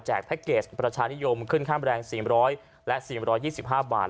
แพ็คเกจประชานิยมขึ้นค่าแรง๔๐๐และ๔๒๕บาท